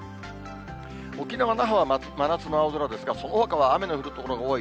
沖縄・那覇は真夏の青空ですが、そのほかは雨の降る所が多い。